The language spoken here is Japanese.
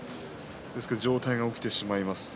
上体が起きてしまいます。